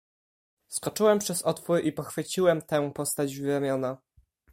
"Skoczyłem przez otwór i pochwyciłem tę postać w ramiona."